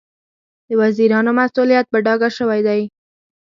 د وزیرانو مسوولیت په ډاګه شوی دی.